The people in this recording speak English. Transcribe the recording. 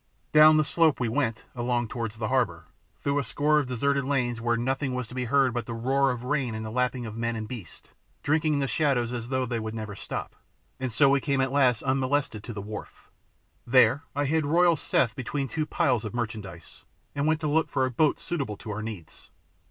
Down the slope we went; along towards the harbour, through a score of deserted lanes where nothing was to be heard but the roar of rain and the lapping of men and beasts, drinking in the shadows as though they never would stop, and so we came at last unmolested to the wharf. There I hid royal Seth between two piles of merchandise, and went to look for a boat suitable to our needs.